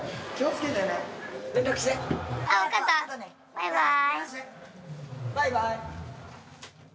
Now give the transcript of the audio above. バイバイ。